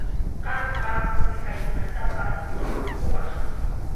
Qamqa uwihaykunatapas tukurquwaq.